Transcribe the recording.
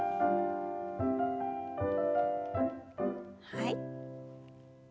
はい。